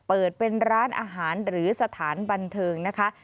เปิดเป็นร้านอาหารหรือสถานบันเทิงนะคะ